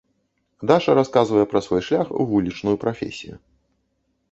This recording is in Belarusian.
Даша расказвае пра свой шлях у вулічную прафесію.